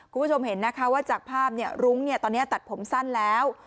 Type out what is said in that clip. คุณผู้ชมเห็นนะคะว่าจากภาพรุ้งตอนนี้ตัดผมสั้นแล้ว